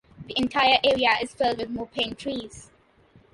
The entire area is filled with mopane trees.